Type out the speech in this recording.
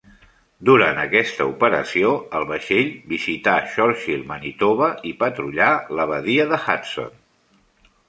Durant aquesta operació, el vaixell visità Churchill, Manitoba i patrullà la badia de Hudson.